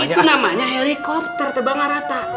itu namanya helikopter terbangnya rata